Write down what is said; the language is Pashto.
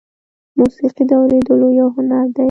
موسیقي د اورېدلو یو هنر دی.